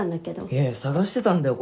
いやいや捜してたんだよ